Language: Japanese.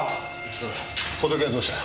おいホトケはどうした？